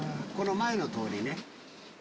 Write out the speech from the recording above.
この前の通りね。